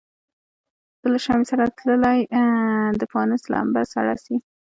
زه له شمعي سره تللی د پانوس لمبه سړه سي